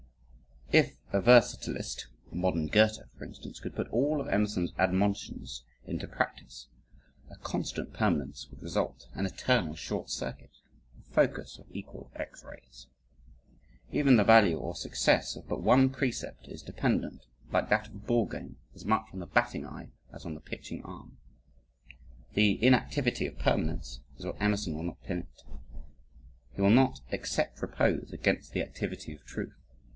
If a versatilist, a modern Goethe, for instance, could put all of Emerson's admonitions into practice, a constant permanence would result, an eternal short circuit a focus of equal X rays. Even the value or success of but one precept is dependent, like that of a ball game as much on the batting eye as on the pitching arm. The inactivity of permanence is what Emerson will not permit. He will not accept repose against the activity of truth.